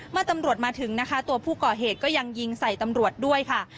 ตำรวจมาถึงนะคะตัวผู้ก่อเหตุก็ยังยิงใส่ตำรวจด้วยค่ะ